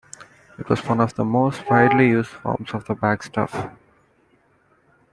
It was one of the most widely used forms of the backstaff.